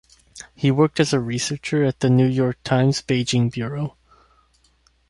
He worked as a researcher at "The New York Times" Beijing bureau.